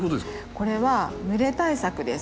これは蒸れ対策です。